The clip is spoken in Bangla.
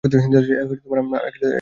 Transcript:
পূর্ব পরাজয়ের প্রতিশোধ নিতে চাই আমরা।